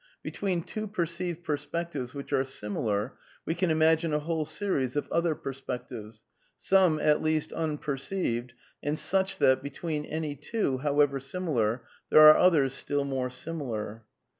Between two perceived perspectives which are similar, we can imagine a whole series of other perspec ^^^J^ tives, some at least unperceived, and such that between any two, however similar, there are others still more similar.